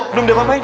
belum dia mau main